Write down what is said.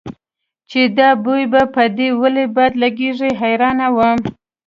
چې دا بوی به په دې ولې بد لګېږي حیرانه وه.